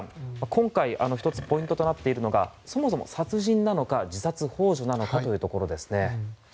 今回１つ、ポイントとなっているのがそもそも殺人なのか自殺ほう助なのかというところですね。